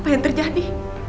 apa yang terjadi